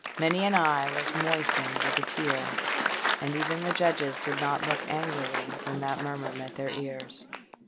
Many an eye was moistened with a tear; and even the Judges did not look angrily when that murmur met their ears.